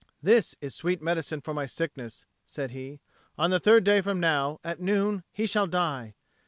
"This is sweet medicine for my sickness," said he. "On the third day from now, at noon, he shall die.